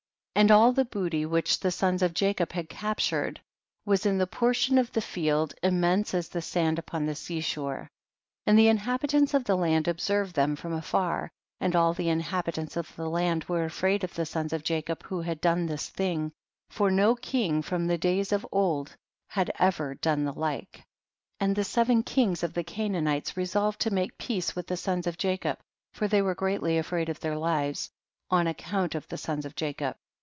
20. And all the booty which the sons of Jacob had captured, was in the portion of the field, immense as the sand upon the sea shore. 21. And the iniiabitants of the land observed them from afar, and all the inhabitants of the land were afraid of the sons of Jacob who had done this thing, for no king from the days of old had ever done the like. 22. And the seven kings of the Canaanites resolved to make peace with the sons of Jacob, for they were greatly afraid of their lives, on ac count of the sons of Jacob.